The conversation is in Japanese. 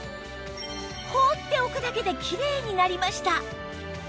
放っておくだけでキレイになりました